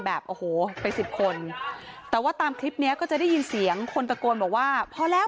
แบบโอ้โหเป็นสิบคนแต่ว่าตามคลิปเนี้ยก็จะได้ยินเสียงคนตะโกนบอกว่าพอแล้ว